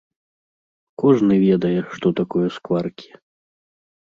Кожны ведае, што такое скваркі.